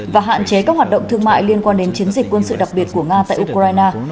và hạn chế các hoạt động thương mại liên quan đến chiến dịch quân sự đặc biệt của nga tại ukraine